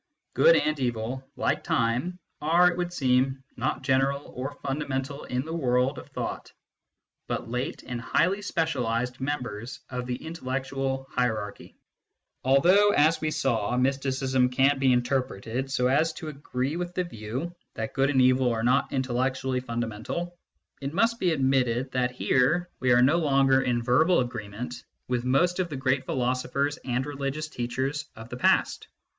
Good and evil, like time, are, it would seem, not general or fundamental in the world of thought, but late and highly specialised members of the intellectual hierarchy. Although, as we saw, mysticism can be interpreted so as to agree with the view that good and evil are not intellectually fundamental, it must be admitted that here MYSTICISM AND LOGIC 29 we are no longer in verbal agreement with most of the great philosophers and religious teachers of the past.